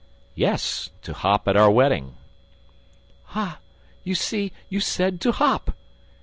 "Yes, to hop at our wedding." "Ah, you see! You said, to hop!"